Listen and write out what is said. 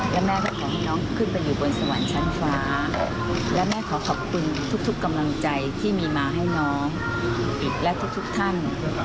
และแม่ก็ขอให้น้องขึ้นไปอยู่บนสวรรค์ชั้นฟ้าและแม่ขอขอบคุณทุกกำลังใจที่มีมาให้น้องอิตและทุกท่าน